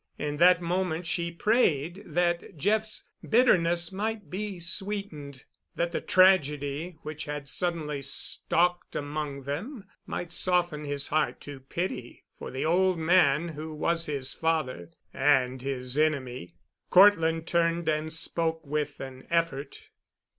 In that moment she prayed that Jeff's bitterness might be sweetened—that the tragedy which had suddenly stalked among them might soften his heart to pity for the old man who was his father and his enemy. Cortland turned and spoke with an effort.